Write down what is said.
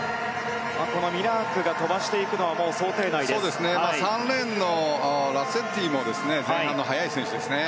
ミラークが飛ばしていくのは３レーンのラッツェッティも前半の速い選手ですね。